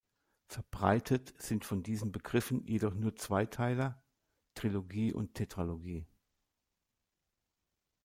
Verbreitet sind von diesen Begriffen jedoch nur Zweiteiler, "Trilogie" und "Tetralogie".